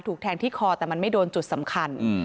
แทงที่คอแต่มันไม่โดนจุดสำคัญ